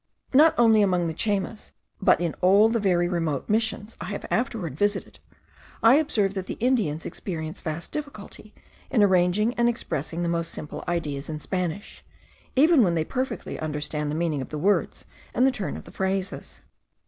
Not only among the Chaymas, but in all the very remote Missions which I afterwards visited, I observed that the Indians experience vast difficulty in arranging and expressing the most simple ideas in Spanish, even when they perfectly understand the meaning of the words and the turn of the phrases.